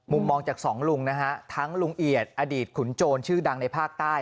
มองจากสองลุงนะฮะทั้งลุงเอียดอดีตขุนโจรชื่อดังในภาคใต้